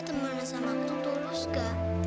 temen sama aku tuh lusga